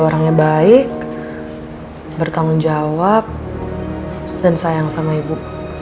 orangnya baik bertanggung jawab dan sayang sama ibu